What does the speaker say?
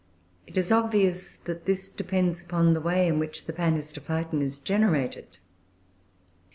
It is obvious that this depends upon the way in which the Panhistophyton is generated.